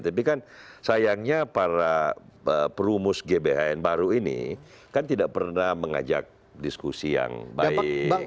tapi kan sayangnya para perumus gbhn baru ini kan tidak pernah mengajak diskusi yang baik